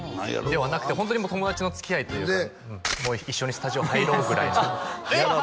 ではなくてホントに友達のつきあいというか一緒にスタジオ入ろうぐらいのえっ！